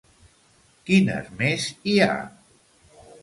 Quines més hi ha?